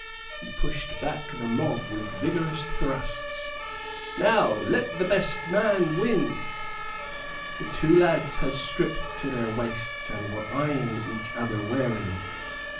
He pushed back the mob with vigorous thrusts. "Now let the best man win." The two lads had stripped to their waists, and were eyeing each other warily.